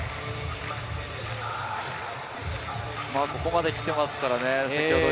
ここまで来てますからね。